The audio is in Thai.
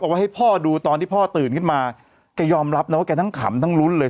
ว่าให้พ่อดูตอนที่พ่อตื่นขึ้นมาแกยอมรับนะว่าแกทั้งขำทั้งลุ้นเลย